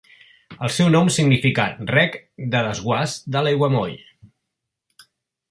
El seu nom significa rec de desguàs de l'aiguamoll.